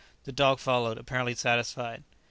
The dog followed, apparently satisfied.